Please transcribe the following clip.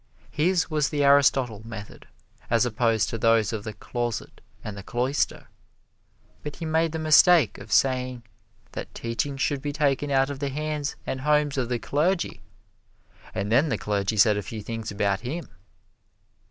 His was the Aristotle method, as opposed to those of the closet and the cloister. But he made the mistake of saying that teaching should be taken out of the hands and homes of the clergy, and then the clergy said a few things about him.